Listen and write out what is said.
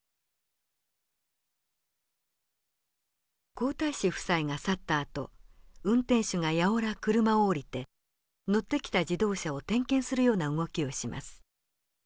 皇太子夫妻が去ったあと運転手がやおら車を降りて乗ってきた自動車を点検するような動きをします。